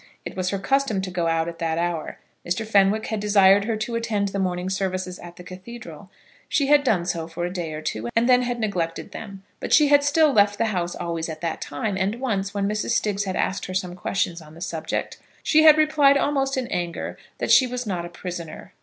It was her custom to go out at that hour. Mr. Fenwick had desired her to attend the morning services at the Cathedral. She had done so for a day or two, and had then neglected them. But she had still left the house always at that time; and once, when Mrs. Stiggs had asked some question on the subject, she had replied almost in anger that she was not a prisoner.